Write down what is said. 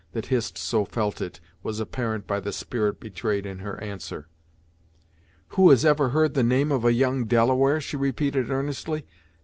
That Hist so felt it, was apparent by the spirit betrayed in her answer. "Who has ever heard the name of a young Delaware?" she repeated earnestly.